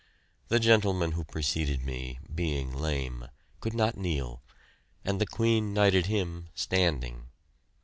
The gentleman who preceded me, being lame, could not kneel, and the Queen knighted him standing.